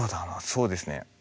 そうですね